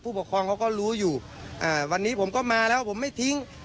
ปกครองเขาก็รู้อยู่อ่าวันนี้ผมก็มาแล้วผมไม่ทิ้ง